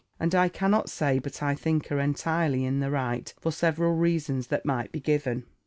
And I cannot say but I think her entirely in the right, for several reasons that might be given.